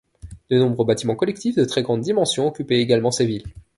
De nombreux bâtiments collectifs de très grande dimension occupaient également ces villes.